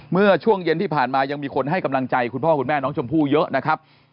เมื่อช่วงเย็นที่ผ่านมายังมีคนให้กำลังใจคุณพ่อคุณแม่น้องชมพู่เยอะนะครับ